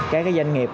với các doanh nghiệp